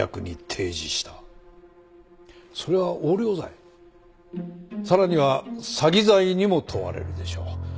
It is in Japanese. それは横領罪さらには詐欺罪にも問われるでしょう。